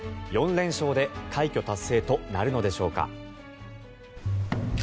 ４連勝で快挙達成となるのでしょうか。